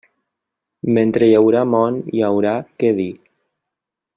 Mentre hi haurà món hi haurà què dir.